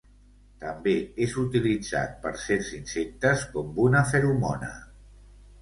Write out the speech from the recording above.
També és utilitzat per certs insectes com una feromona.